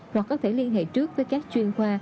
hoặc có thể liên hệ trước với các chuyên khoa